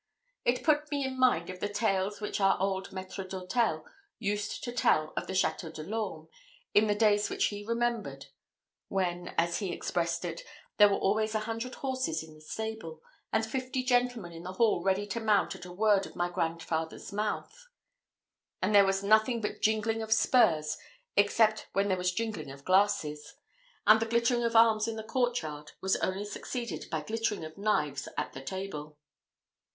It put me in mind of the tales which our old maître d'hôtel used to tell of the Château de l'Orme, in the days which he remembered; when, as he expressed it, there were always a hundred horses in the stable, and fifty gentlemen in the hall ready to mount at a word of my grandfather's mouth, and there was nothing but jingling of spurs except when there was jingling of glasses; and the glittering of arms in the courtyard was only succeeded by glittering of knives at the table.